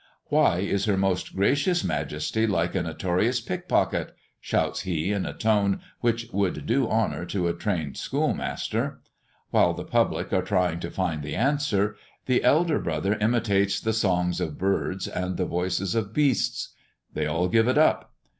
"Why is her most gracious Majesty like a notorious pick pocket?" shouts he, in a tone which would do honour to a trained school master. While the public are trying to find the answer, the elder brother imitates the songs of birds and the voices of beasts. They all give it up.